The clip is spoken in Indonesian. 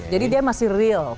jadi dia masih real